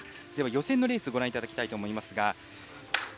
予選のレースをご覧いただきたいと思います。